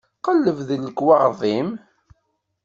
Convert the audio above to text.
Qelleb deg lekwaɣeḍ-im.